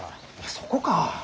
そこか。